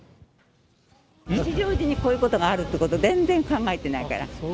日常時にこういうことがあるってこと、全然考えてないから。